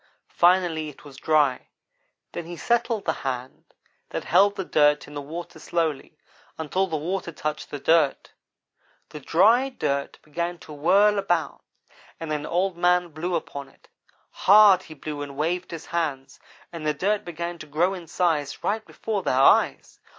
Finally it was dry; then he settled the hand that held the dirt in the water slowly, until the water touched the dirt. The dry dirt began to whirl about and then Old man blew upon it. Hard he blew and waved his hands, and the dirt began to grow in size right before their eyes.